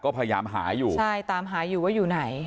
ก็พยายามหาอยู่ใช่ตามหาอยู่ว่าอยู่ไหน